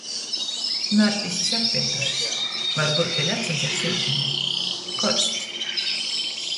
Narcisis apveitušys, varbyut vēļ atsadzers iudiņa. Korsts